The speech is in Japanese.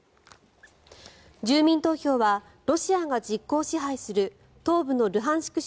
住民投票はロシアが実効支配する東部のルハンシク